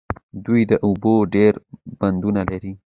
دوی د اوبو ډیر بندونه لري.